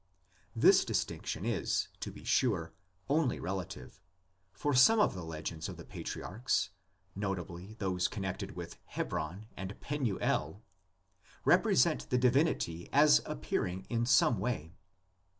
This distinction is, to be sure, only relative, for some of the legends of the patriarchs (notably those connected with Hebron and Penuel) represent the divinity as appearing in the same way.